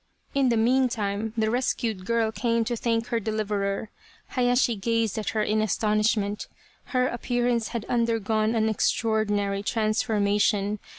In the meantime the rescued girl came to thank her deliverer. Hayashi gazed at her in astonishment. Her appearance had undergone an extraordinary trans formation.